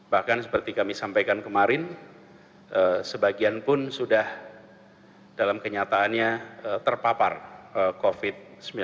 bahkan seperti kami sampaikan kemarin sebagian pun sudah dalam kenyataannya terpapar covid sembilan belas